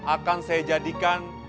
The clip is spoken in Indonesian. akan saya jadikan